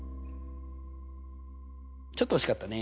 ちょっと惜しかったね。